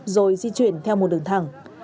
rồi di chuyển theo một đường thẳng